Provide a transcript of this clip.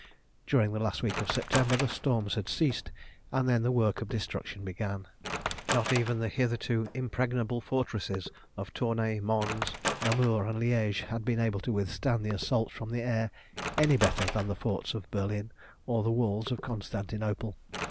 During the last week of September the storms had ceased, and then the work of destruction began. Not even the hitherto impregnable fortresses of Tournay, Mons, Namur, and Liége had been able to withstand the assault from the air any better than the forts of Berlin or the walls of Constantinople.